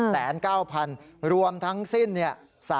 ๑๐๙๐๐๐บาทรวมทั้งสิ้นเนี่ย